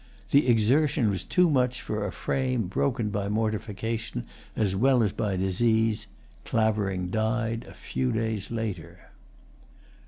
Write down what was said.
The exertion was too much for a frame broken by mortification as well as by disease. Clavering died a few days later.